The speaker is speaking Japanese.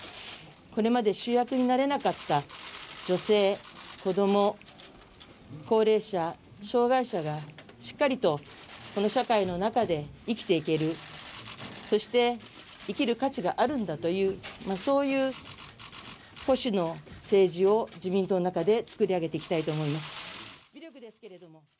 これまで主役になれなかった、女性、子ども、高齢者、障がい者が、しっかりとこの社会の中で生きていける、そして生きる価値があるんだという、そういう保守の政治を、自民党の中で作り上げていきたいと思います。